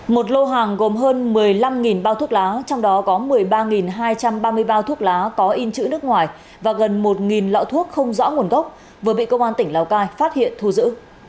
một lô hàng gồm hơn một mươi năm bao thuốc lá trong đó có một mươi ba hai trăm ba mươi bao thuốc lá có in chữ nước ngoài và gần một lọ thuốc không rõ nguồn gốc vừa bị công an tỉnh lào cai phát hiện thu giữ